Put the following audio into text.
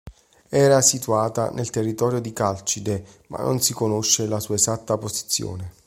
Era situata nel territorio di Calcide, ma non si conosce la sua esatta posizione.